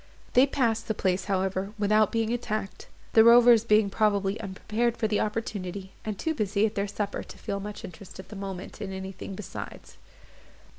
They passed the place, however, without being attacked; the rovers being probably unprepared for the opportunity, and too busy about their supper to feel much interest, at the moment, in anything besides.